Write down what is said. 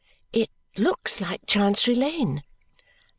"It looks like Chancery Lane."